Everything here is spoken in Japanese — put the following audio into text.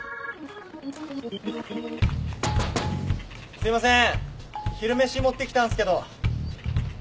すいません昼飯持ってきたんすけど。